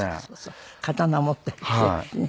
刀持ったりしているしね。